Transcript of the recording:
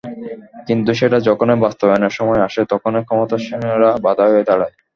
কিন্তু সেটা যখনই বাস্তবায়নের সময় আসে তখনই ক্ষমতাসীনেরা বাধা হয়ে দাঁড়ায়।